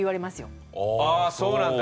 ああそうなんだ。